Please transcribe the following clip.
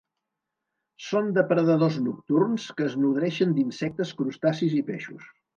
Són depredadors nocturns que es nodreixen d'insectes, crustacis i peixos.